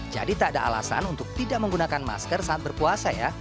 jadi tak ada alasan untuk tidak menggunakan masker saat berpuasa ya